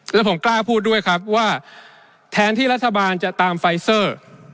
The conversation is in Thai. แล้วผมกล้าพูดด้วยครับว่าแทนที่รัฐบาลจะตามไฟเซอร์